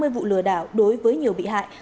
hai mươi vụ lừa đảo đối với nhiều bị hại